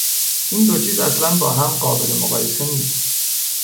این دو چیز اصلا با هم قابل مقایسه نیست.